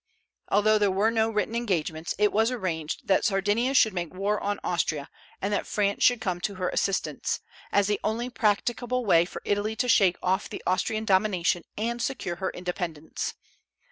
Although there were no written engagements, it was arranged that Sardinia should make war on Austria and that France should come to her assistance, as the only practicable way for Italy to shake off the Austrian domination and secure her independence.